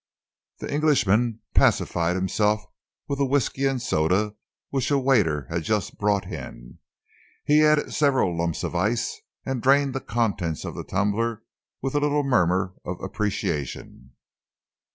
The Englishman pacified himself with a whisky and soda which a waiter had just brought in. He added several lumps of ice and drained the contents of the tumbler with a little murmur of appreciation.